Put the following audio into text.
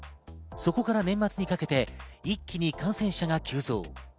そこから年末にかけて一気に感染者が急増。